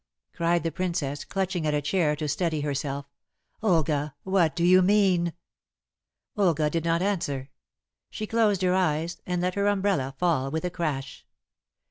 cried the Princess, clutching at a chair to steady herself. "Olga, what do you mean?" Olga did not answer. She closed her eyes and let her umbrella fall with a crash.